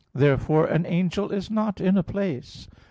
Therefore an angel is not in a place.